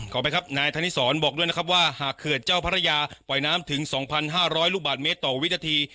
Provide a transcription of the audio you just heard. ขอไปครับนายธนิสรบอกด้วยนะครับว่าหากเขื่อเจ้าภรรยาปล่อยน้ำถึงสองพันห้าร้อยลูกบาทเมตรต่อวิทยาที